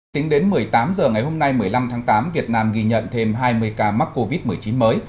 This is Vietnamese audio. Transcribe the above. tính đến một mươi tám h ngày hôm nay một mươi năm tháng tám việt nam ghi nhận thêm hai mươi ca mắc covid một mươi chín mới